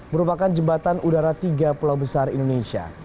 merupakan jembatan udara tiga pulau besar indonesia